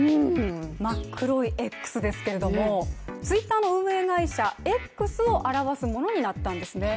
真っ黒いＸですけれども、Ｔｗｉｔｔｅｒの運営会社Ｘを表すものになったんですね。